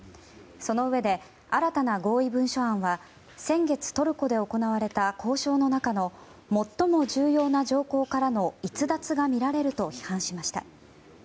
そのうえで、新たな合意文書案は先月トルコで行われた交渉の中の最も重要な条項からの逸脱がみられると批判しました。